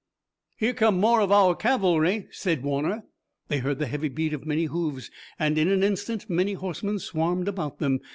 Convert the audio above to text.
"Here come more of our cavalry!" said Warner. They heard the heavy beat of many hoofs and in an instant many horsemen swarmed about them.